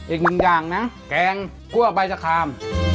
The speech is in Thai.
อีกหนึ่งอย่างนะแกงคั่วใบสะคาม